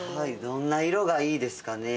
どんな色がいいですかね。